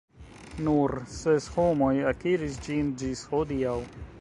Nur ses homoj akiris ĝin ĝis hodiaŭ.